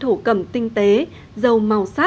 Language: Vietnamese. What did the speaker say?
chúc cho những mơ ước đầu năm